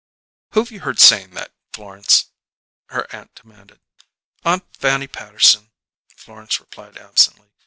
"Who've you heard saying that, Florence?" her aunt demanded. "Aunt Fanny Patterson," Florence replied absently.